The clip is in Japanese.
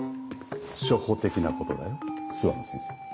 初歩的なことだよ諏訪野先生。